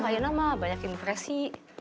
kayaknya ma banyak impresi